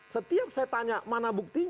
setiap saya tanya mana buktinya